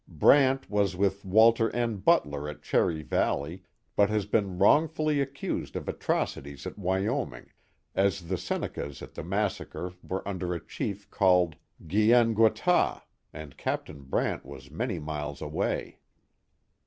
Brant was with Walter N. Butler at Cherry Valley, but has been wrongfully accused of atrocities at Wyoming, as the Senecas at the massacre were under a chief called Gi en gwa tah, and Captain Brant was many miles away.